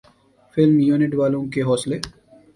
film unit والوں کے حوصلے